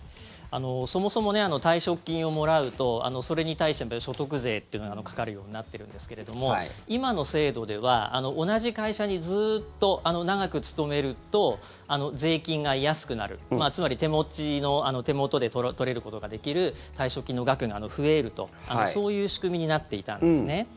そもそも退職金をもらうとそれに対して所得税というのがかかるようになってるんですが今の制度では同じ会社にずっと長く勤めると税金が安くなるつまり、手持ちの手元で取ることができる退職金の額が増えるとそういう仕組みになっていたんですね。